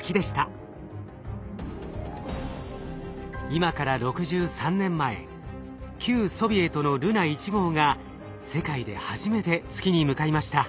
今から６３年前旧ソビエトのルナ１号が世界で初めて月に向かいました。